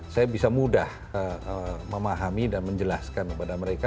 saya bisa mudah memahami dan menjelaskan kepada mereka